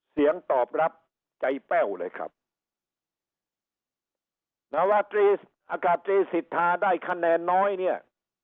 เสียงตอบรับใจแป้วเลยครับนวตรีอากาศตรีสิทธาได้คะแนนน้อยเนี่ย